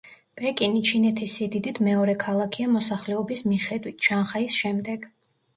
პეკინი ჩინეთის სიდიდით მეორე ქალაქია მოსახლეობის მიხედვით, შანხაის შემდეგ.